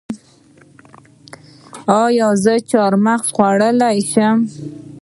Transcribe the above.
ایا زه چهارمغز خوړلی شم؟